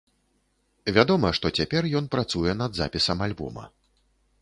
Вядома, што цяпер ён працуе над запісам альбома.